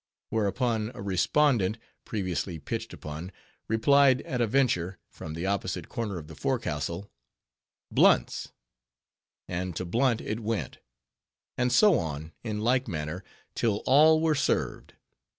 Whereupon a respondent, previously pitched upon, replied, at a venture, from the opposite corner of the forecastle, "Blunt's;" and to Blunt it went; and so on, in like manner, till all were served.